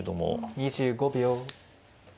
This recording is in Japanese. ２５秒。